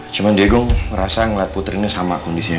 cuman diego merasa ngeliat putri ini sama kondisinya